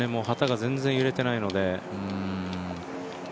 旗が全然揺れてないので。